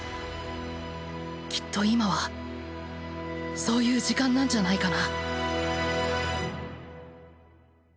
きっと今はそういう時間なんじゃないかな。